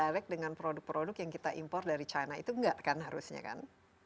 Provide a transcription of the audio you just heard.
direct dengan produk produk yang kita impor dari china itu enggak kan harusnya kan